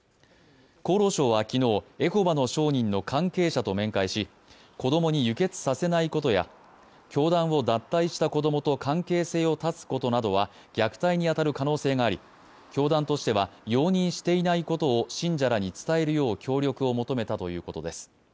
厚労省は昨日エホバの証人の関係者と面会し子供に輸血させないことや教団を脱退した子供と関係性を断つことなどは虐待に当たる可能性があり教団としては容認していないことを信者らに伝えるよう協力を求めたということです。